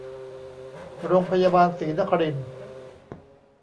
โรงพยาบาลศรีนครินทร์